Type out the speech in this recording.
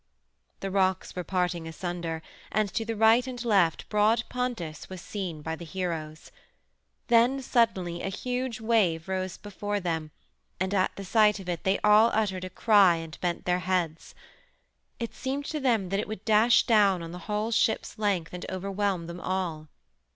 The rocks were parting asunder, and to the right and left broad Pontus was seen by the heroes. Then suddenly a huge wave rose before them, and at the sight of it they all uttered a cry and bent their heads. It seemed to them that it would dash down on the whole ship's length and overwhelm them all.